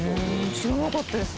知らなかったです。